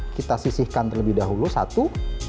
kita sisihkan terlebih dahulu satu